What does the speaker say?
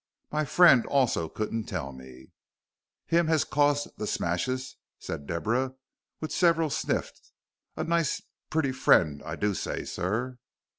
My friend also couldn't tell me." "Him as caused the smashes," said Deborah, with several sniffs. "A nice pretty friend, I do say, sir."